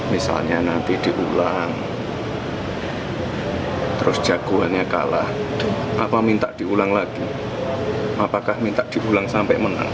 misalnya nanti diulang terus jagoannya kalah apa minta diulang lagi apakah minta diulang sampai menang